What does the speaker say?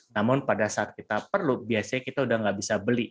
namun pada saat kita perlu biasanya kita udah nggak bisa beli